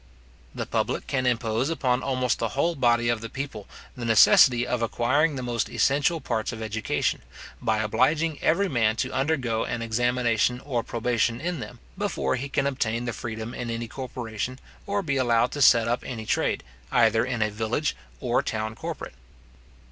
The public can impose upon almost the whole body of the people the necessity of acquiring the most essential parts of education, by obliging every man to undergo an examination or probation in them, before he can obtain the freedom in any corporation, or be allowed to set up any trade, either in a village or town corporate.